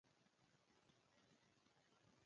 جوړه یې وه ځاله ځان ته ښکلې ګلالۍ